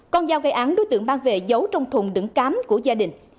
con dao gây án đối tượng mang về giấu trong thùng đựng cám của gia đình